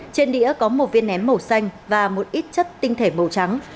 trên đĩa có một viên ném màu xanh và một ít chất tinh thể màu trắng